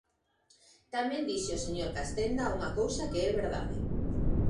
Tamén dixo o señor Castenda unha cousa que é verdade.